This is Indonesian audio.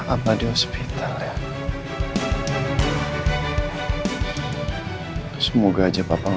abade hospital ya pak